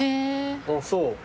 あっそう。